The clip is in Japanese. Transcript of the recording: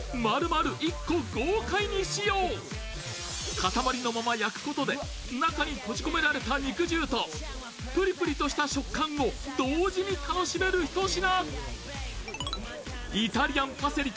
塊のまま焼くことで中に閉じ込められた肉汁とぷりぷりとした食感を同時に楽しめるひと品。